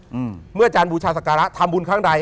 เมื่ออาจารย์บุชาศกระธรรมบุญครั้งใด